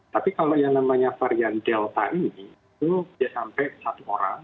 tapi kalau yang namanya varian delta ini itu dia sampai satu orang